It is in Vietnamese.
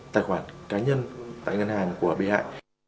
tài khoản cá nhân tại ngân hàng của bị hại